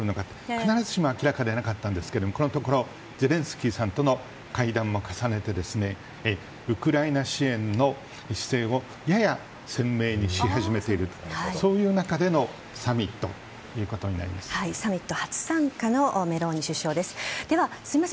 必ずしも明らかでなかったんですがゼレンスキーさんとの会談も重ねてウクライナ支援の姿勢をやや鮮明にし始めている中でのサミット初参加のメローニ首相です。